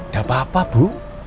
gak apa apa bu